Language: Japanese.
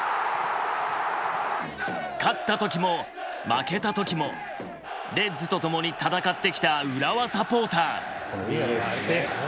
勝った時も負けた時もレッズとともに戦ってきた浦和サポーター。